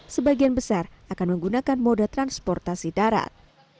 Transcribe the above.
sebagian besar akan menggunakan moda transportasi darat